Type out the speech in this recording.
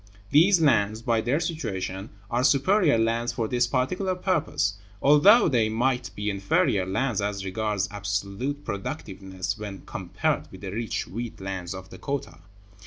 These lands, by their situation, are superior lands for this particular purpose, although they might be inferior lands as regards absolute productiveness when compared with the rich wheat lands of Dakota.